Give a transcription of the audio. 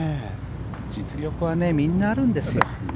実力はみんなあるんですよ。